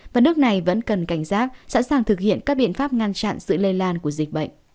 và nước này vẫn cần cảnh giác sẵn sàng thực hiện các biện pháp ngăn chặn sự lây lan của dịch bệnh